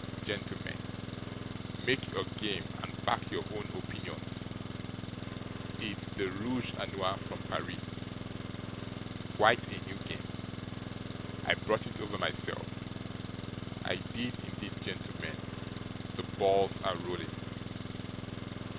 gentlemen, make your game, and back your own opinions it's the rooge a nore from Paris quite a new game, I brought it over myself, I did indeed gentlemen, the ball's a rolling!